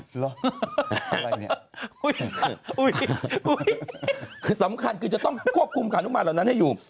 คือสำคัญคือจะต้องควบคุมฮานุมานเหล่านั้นให้อยู่